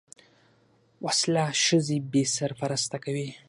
وسله ښځې بې سرپرسته کوي